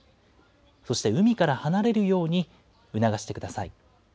そして海から離れるように促してください。